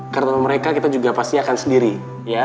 karena mereka kita juga pasti akan sendiri ya